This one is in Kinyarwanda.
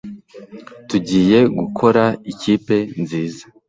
Tugiye gukora ikipe nziza.